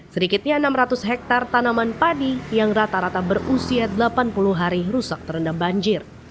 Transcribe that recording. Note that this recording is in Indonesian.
sedikitnya enam ratus hektare tanaman padi yang rata rata berusia delapan puluh hari rusak terendam banjir